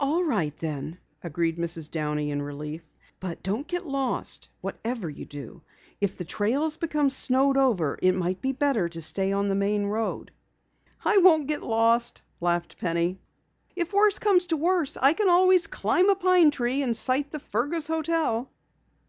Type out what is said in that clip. "All right, then," agreed Mrs. Downey in relief. "But don't get lost, whatever you do. If the trails become snowed over it might be better to stay on the main road." "I won't get lost," laughed Penny. "If worse comes to worst I always can climb a pine tree and sight the Fergus hotel."